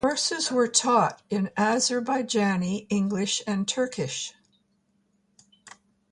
Courses were taught in Azerbaijani, English, and Turkish.